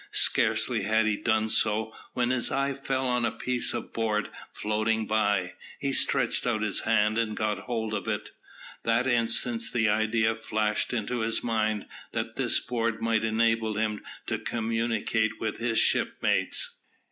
Scarcely had he done so, when his eye fell on a piece of board floating by. He stretched out his hand and got hold of it. That instant the idea flashed into his mind, that this board might enable him to communicate with his shipmates.